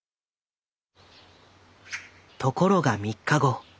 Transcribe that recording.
ところが３日後。